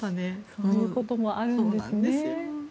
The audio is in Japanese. そういうこともあるんですね。